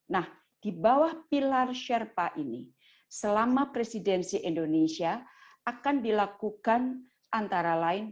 nah di bawah pilar sherpa ini selama presidensi indonesia akan dilakukan antara lain